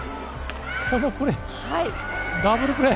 このダブルプレー。